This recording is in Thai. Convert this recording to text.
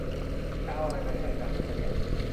จะเอาอะไรไปให้อาจารย์ดูวะเนี่ย